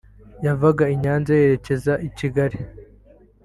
yavaga i Nyanza yerekeza i Kigali